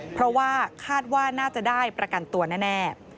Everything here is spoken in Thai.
เพราะว่าคาดว่าน่าจะได้ประกันตัวแน่